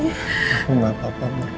aku gak apa apa mak